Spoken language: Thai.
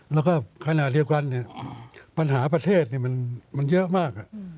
แล้วก็ขณะเดียวกันเนี่ยปัญหาประเทศเนี่ยมันเยอะมากอ่ะ